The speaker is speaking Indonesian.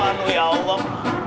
aduh ya allah